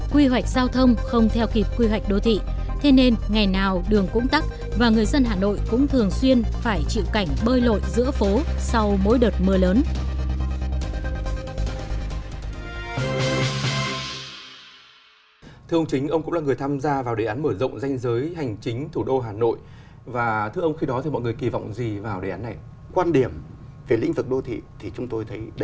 quy hoạch giao thông không theo kịp quy hoạch đô thị thế nên ngày nào đường cũng tắt và người dân hà nội cũng thường xuyên phải chịu cảnh bơi lội giữa phố